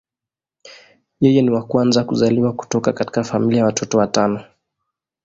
Yeye ni wa kwanza kuzaliwa kutoka katika familia ya watoto watano.